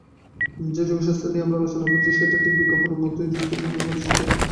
যে যোগশাস্ত্র নিয়ে আমরা আলোচনা করছি, সেটা ঠিক বিজ্ঞানের মতই যুক্তির উপর প্রতিষ্ঠিত।